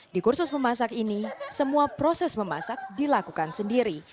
di kursus memasak ini semua proses memasak dilakukan sendiri